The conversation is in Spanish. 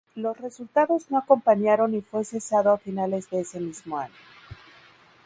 Los resultados no acompañaron y fue cesado a finales de ese mismo año.